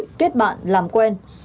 để giúp bạn làm quen